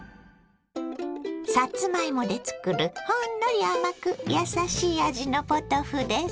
さつまいもで作るほんのり甘くやさしい味のポトフです。